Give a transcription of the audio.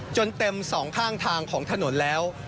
จนเต็มสองข้างทางของถนนแล้ว